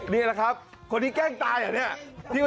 นี่แหละครับคนที่แกล้งตายเหรอเนี่ย